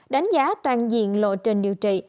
đánh giá toàn diện lộ trình điều trị